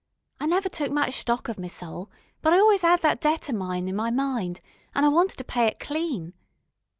I never took much stock of me soul, but I always 'ad that debt o' mine in me mind, an' I wanted to pay it clean.